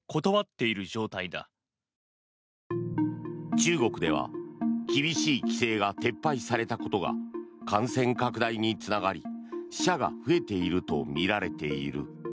中国では厳しい規制が撤廃されたことが感染拡大につながり死者が増えているとみられている。